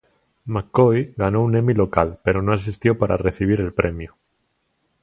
McCoy ganó un Emmy local pero no asistió para recibir el premio.